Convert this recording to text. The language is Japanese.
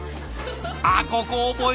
あっここ覚えてる。